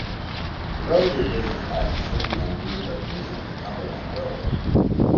The road did business as the Sydney and Louisburg Division of the Cumberland Railway.